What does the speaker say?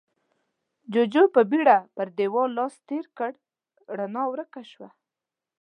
جُوجُو په بيړه پر دېوال لاس تېر کړ، رڼا ورکه شوه.